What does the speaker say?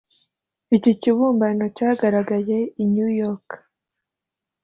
Iki kibumbano cyagaragaye i New York